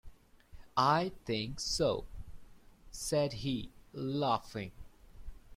"I think so," said he, laughing.